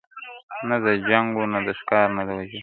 • نه د جنګ وه نه د ښکار نه د وژلو -